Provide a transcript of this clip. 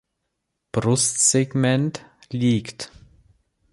Brustsegment liegt.